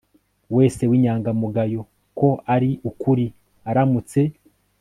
wese w'inyangamugayo ko ari ukuri aramutse